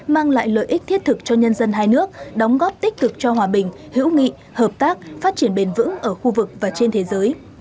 mang lại lợi ích thiết thực cho nhân dân hai nước đóng góp tích cực cho hòa bình hữu nghị hợp tác phát triển bền vững ở khu vực và trên thế giới